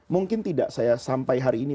mungkin tidak saya sampai hari ini